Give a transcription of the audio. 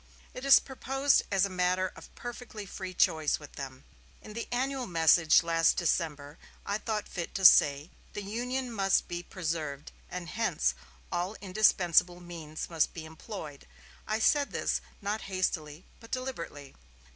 It is proposed as a matter of perfectly free choice with them. In the annual message last December I thought fit to say, 'The Union must be preserved; and hence, all indispensable means must be employed.' I said this, not hastily, but deliberately.